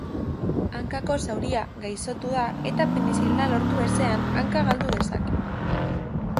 Hankako zauria gaiztotu da eta penizilina lortu ezean, hanka galdu dezake.